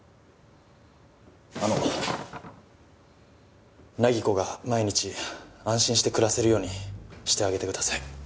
あの凪子が毎日安心して暮らせるようにしてあげてください。